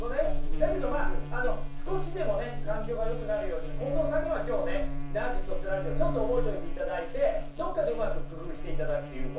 だけどまあ少しでもね環境がよくなるように近藤さんには今日ねナッジとスラッジをちょっと覚えておいていただいてどっかでうまく工夫していただくということ。